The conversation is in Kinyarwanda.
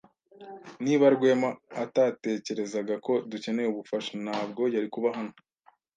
Niba Rwema atatekerezaga ko dukeneye ubufasha, ntabwo yari kuba hano.